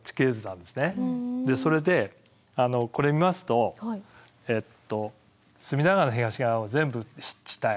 それでこれ見ますと隅田川の東側は全部湿地帯。